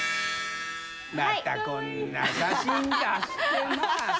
またこんな写真出してまあさ。